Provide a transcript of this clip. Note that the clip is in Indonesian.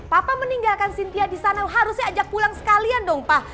papa meninggalkan cynthia di sana harusnya ajak pulang sekalian dong pak